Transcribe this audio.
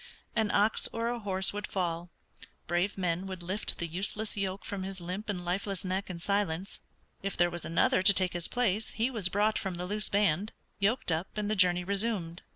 An ox or a horse would fall, brave men would lift the useless yoke from his limp and lifeless neck in silence. If there was another to take his place he was brought from the loose band, yoked up and the journey resumed.